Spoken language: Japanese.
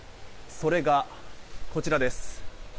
それが、こちらです。